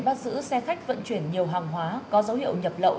bác sứ xe khách vận chuyển nhiều hàng hóa có dấu hiệu nhập lậu